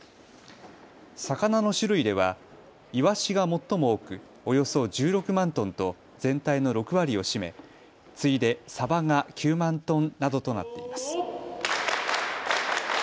魚の種類ではイワシが最も多く、およそ１６万トンと全体の６割を占め、次いでサバが９万トンなどとなっています。